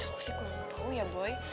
aku sih kurang tahu ya boy